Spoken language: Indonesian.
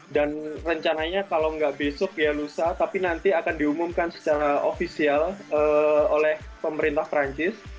rencananya kalau nggak besok ya lusa tapi nanti akan diumumkan secara ofisial oleh pemerintah perancis